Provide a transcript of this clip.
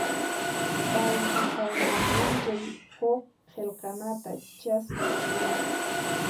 Pay qayna p'unchay huk qillqanata chaskiq rin.